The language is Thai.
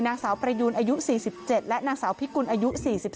นางสาวประยูนอายุ๔๗และนางสาวพิกุลอายุ๔๒